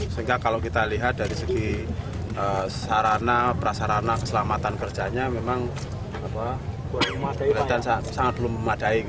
sehingga kalau kita lihat dari segi sarana prasarana keselamatan kerjanya memang berat dan sangat belum memadai